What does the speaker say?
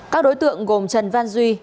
các đối tượng gồm trần văn duy